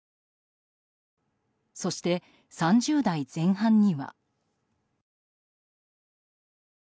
そして３０代前半には。